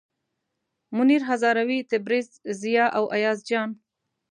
منیر هزاروي، تبریز، ضیا او ایاز جان.